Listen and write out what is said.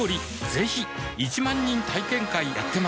ぜひ１万人体験会やってます